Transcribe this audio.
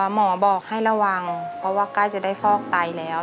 หมอบอกให้ระวังเพราะว่าใกล้จะได้ฟอกไตแล้ว